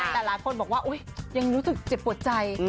แต่หลายคนบอกว่ายังรู้สึกเจ็บปวดใจ